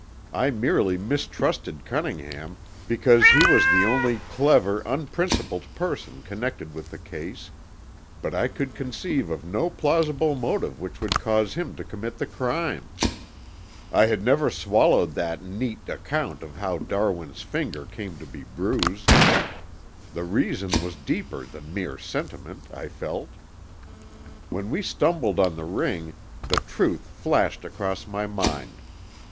I merely mistrusted Cunningham, because he was the only clever unprincipled person connected with the case, but I could conceive of no plausible motive which would cause him to commit the crime. "I had never swallowed that neat account of how Darwin's finger came to be bruised. The reason was deeper than mere sentiment, I felt. When we stumbled on the ring, the truth flashed across my mind.